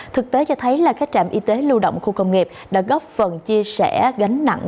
thực tế cho thấy là các trạm y tế lưu động khu công nghiệp đã góp phần chia sẻ gánh nặng